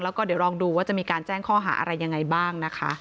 แล้วก็เดี๋ยวลองดูว่าจะมีการแจ้งข้อหาอะไรยังไงบ้างนะคะ